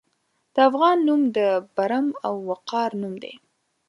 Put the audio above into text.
د افغان نوم د برم او وقار نوم دی.